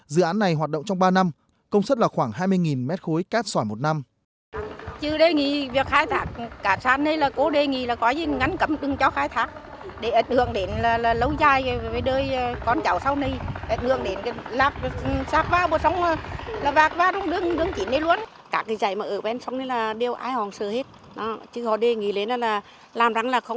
dự án này hoạt động trong ba năm công suất là khoảng hai mươi m ba cát sỏi một năm